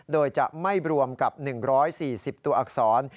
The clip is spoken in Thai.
โดยจะไม่รวมกับ๑๔๐ตัวอักษร